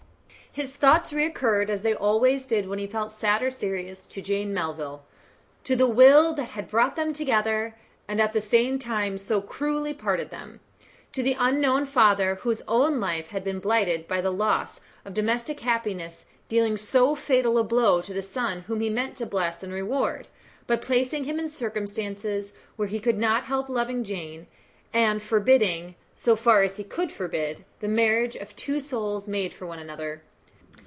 His thoughts recurred, as they always did when he felt sad or serious, to Jane Melville to the will that had brought them together, and at the same time so cruelly parted them to the unknown father, whose own life had been blighted by the loss of domestic happiness, dealing so fatal a blow to the son whom he meant to bless and reward, by placing him in circumstances where he could not help loving Jane, and forbidding so far as he could forbid the marriage of two souls made for one another.